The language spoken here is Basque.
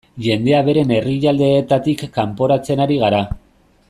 Jendea beren herrialdeetatik kanporatzen ari gara.